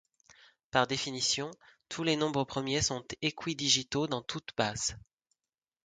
Par définition, tous les nombres premiers sont équidigitaux dans toute base.